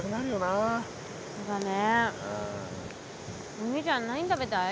お兄ちゃん何食べたい？